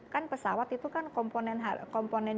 kan pesawat itu kan komponen